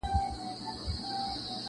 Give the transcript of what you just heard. تا ویل د بنده ګانو نګهبان یم-